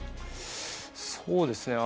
そうですね。